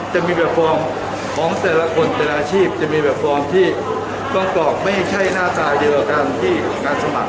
จะมีแบบฟอร์มของแต่ละคนแต่ละอาชีพจะมีแบบฟอร์มที่กรอบไม่ใช่หน้าตาเดียวกันที่การสมัคร